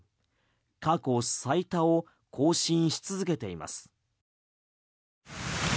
過去最多を更新し続けています。